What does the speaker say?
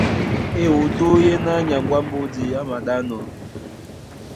Ewudú yéná nyaŋgó á mbódi á māɗánɔ́,